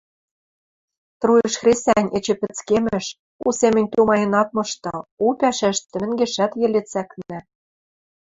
Труйыш хресӓнь эче пӹцкемӹш, у семӹнь тумаен ак мышты, у пӓшӓштӹ мӹнгешӓт йӹле цӓкнӓ.